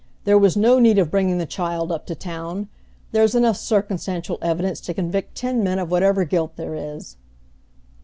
There was no need of bringing the child up to town. There's enough circumstantial evidence to convict ten men of whatever guilt there is."